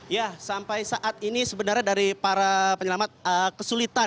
ya sampai saat ini sebenarnya dari para penyelamat kesulitan